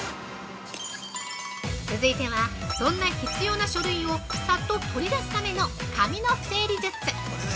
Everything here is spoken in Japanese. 続いては、そんな必要な書類をさっと取り出すための紙の整理術。